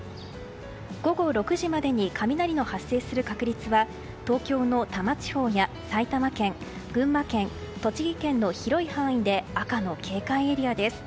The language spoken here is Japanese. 午後６時までに雷の発生する確率は東京の多摩地方や埼玉県群馬県、栃木県の広い範囲で赤の警戒エリアです。